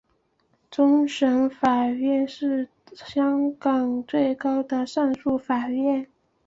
终审法院是香港最高的上诉法院。